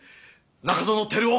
中園照生